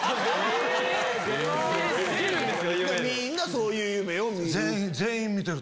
みんなそういう夢を見る。